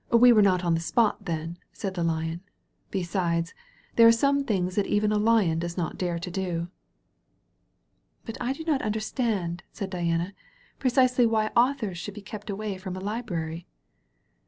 "We were not on the spot, then," said the Lion. "Besides, there are some things that even a Lion does not dare to do." "But I do not understand," said Diana, "pre cisely why authors should be kept away from a library."